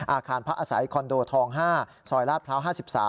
อาคารพักอาศัยคอนโดทอง๕ซอยลาดพร้าว๕๓